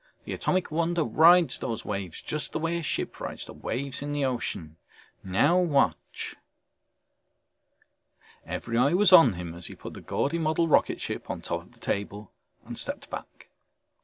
The Atomic Wonder rides these waves just the way a ship rides the waves in the ocean. Now watch...." Every eye was on him as he put the gaudy model rocketship on top of the table and stepped back.